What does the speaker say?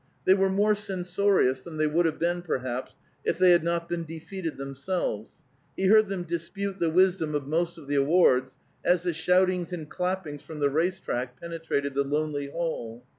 They were more censorious than they would have been perhaps if they had not been defeated themselves; he heard them dispute the wisdom of most of the awards as the shoutings and clappings from the racetrack penetrated the lonely hall.